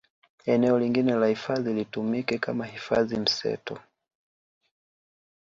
Eneo lingine la hifadhi litumike kama hifadhi mseto